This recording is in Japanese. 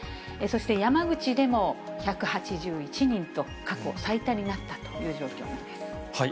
そして山口でも１８１人と、過去最多になったという状況なんです。